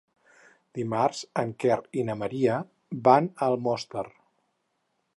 Dimarts en Quer i na Maria van a Almoster.